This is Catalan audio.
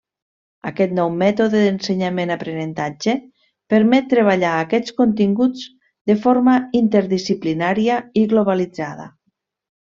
Aquest nou mètode d'ensenyament- aprenentatge permet treballar aquests continguts de forma interdisciplinària i globalitzada.